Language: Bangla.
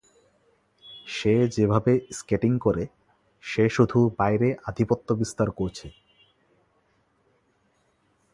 সে যেভাবে স্কেটিং করে, সে শুধু বাইরে আধিপত্য বিস্তার করছে।